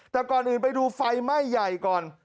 แต่ก่อนอื่นไปดูไฟไหม้ใหญ่ก่อน